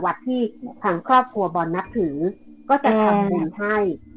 ที่ทางครอบครัวบอลนับถือก็จะทำบุญให้